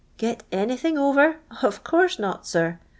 Get anything over I Of course not, sir.